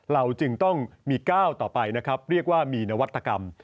เราจึงต้องมีก้าวต่อไปนะครับเรียกว่ามีนวัตกรรม